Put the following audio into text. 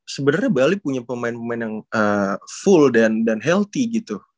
sebenarnya bali punya pemain pemain yang full dan healthy gitu